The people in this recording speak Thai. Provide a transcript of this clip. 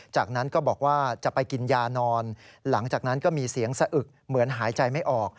จากนั้นก็บอกว่าจะไปกินยานอนหลังจากนั้นก็มีเสียงสะอึกเหมือนหายใจไม่ออก